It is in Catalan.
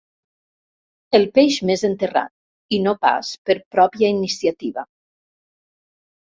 El peix més enterrat, i no pas per pròpia iniciativa.